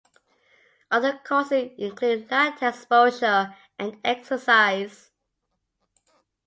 Other causes include latex exposure and exercise.